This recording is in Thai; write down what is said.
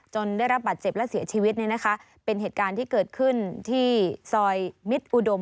ได้รับบาดเจ็บและเสียชีวิตเนี่ยนะคะเป็นเหตุการณ์ที่เกิดขึ้นที่ซอยมิตรอุดม